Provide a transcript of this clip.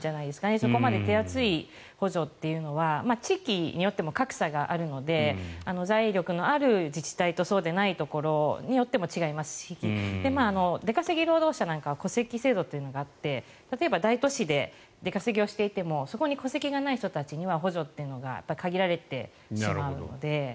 そこまで手厚い補助というのは地域によっても格差があるので財力のある自治体とそうでないところによっても違いますし出稼ぎ労働者なんかは戸籍制度というのがあって例えば、大都市で出稼ぎをしていてもそこに戸籍がない人は補助っていうのが限られてしまうので。